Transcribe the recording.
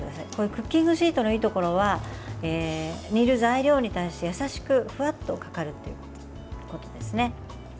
クッキングシートのいいところは煮る材料に対して優しくふわっとかかるっていうことですね。